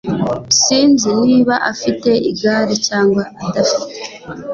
Sinzi niba afite igare cyangwa adafite.